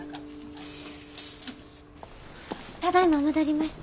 ただいま戻りました。